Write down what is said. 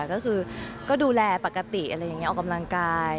ก็คือดูแลปกติออกกำลังกาย